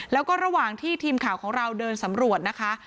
แล้วก็ระหว่างที่ทีมข่าวของเราเดินสำรวจนะคะ